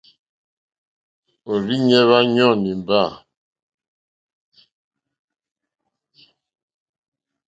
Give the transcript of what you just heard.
Òrzìɲɛ́ hwá yɔ̀ɔ̀ nìmbâ.